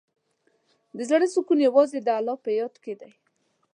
د زړۀ سکون یوازې د الله په یاد کې دی.